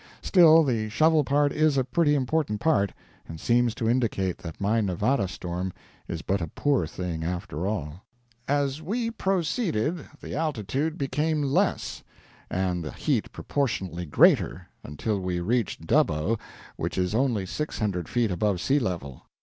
Still the shovel part is a pretty important part, and seems to indicate that my Nevada storm is but a poor thing, after all. "As we proceeded the altitude became less, and the heat proportionately greater until we reached Dubbo, which is only 600 feet above sea level.